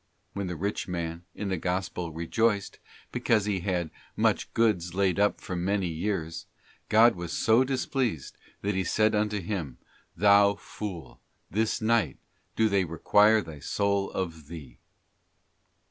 When the rich man, in the gospel, rejoiced, because he had 'much goods laid up for many years,' God was so displeased, that He said unto him: 'Thou fool, this night do they require thy soul of thee.